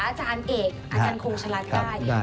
อาจารย์เอกอาจารย์คงชะลัดได้